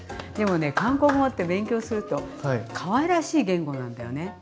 でもね韓国語って勉強するとかわいらしい言語なんだよね。